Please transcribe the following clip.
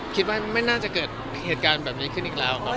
คิดว่าไม่น่าจะเกิดเหตุการณ์แบบนี้ขึ้นอีกแล้วครับ